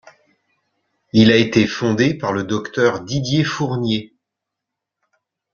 Il a été fondé par le docteur Didier Fournier.